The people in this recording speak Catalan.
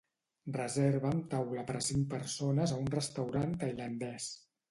Reserva'm taula per a cinc persones a un restaurant tailandès.